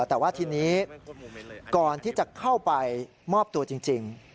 แต่ว่าทีนี้ก่อนที่จะเข้าไปมอบตัวจริง